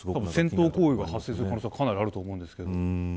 戦闘行為が発生する可能性かなりあると思うんですけど。